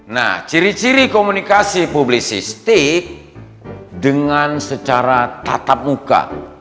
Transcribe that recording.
nah ciri ciri komunikasi publikistik dengan secara tatap muka